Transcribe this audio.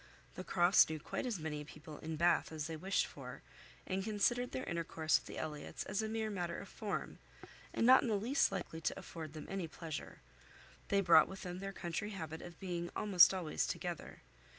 The Crofts knew quite as many people in Bath as they wished for, and considered their intercourse with the Elliots as a mere matter of form, and not in the least likely to afford them any pleasure. They brought with them their country habit of being almost always together.